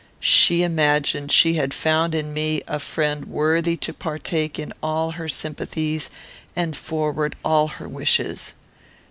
She imagined she had found in me a friend worthy to partake in all her sympathies and forward all her wishes.